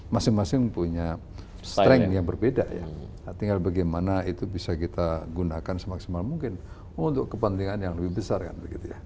masing masing punya strength yang berbeda ya tinggal bagaimana itu bisa kita gunakan semaksimal mungkin untuk kepentingan yang lebih besar kan begitu ya